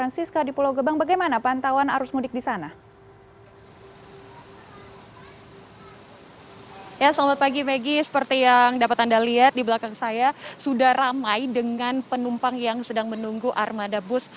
selamat pagi megi seperti yang dapat anda lihat di belakang saya sudah ramai dengan penumpang yang sedang menunggu armada bus